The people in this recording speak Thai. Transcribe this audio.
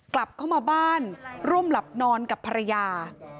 กลับเข้ามาบ้านร่วมหลับนอนกับภรรยา